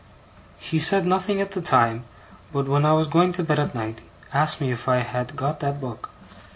He said nothing at the time; but when I was going to bed at night, asked me if I had got that book?